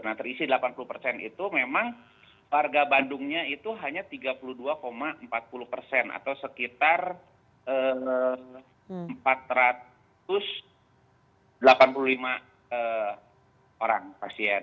nah terisi delapan puluh persen itu memang warga bandungnya itu hanya tiga puluh dua empat puluh persen atau sekitar empat ratus delapan puluh lima orang pasien